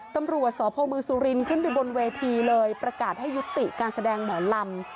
ตำรวจสพมสุรินทร์ขึ้นไปบนเวทีเลยประกาศให้ยุติการแสดงหมอลำ